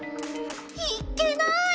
⁉いっけない！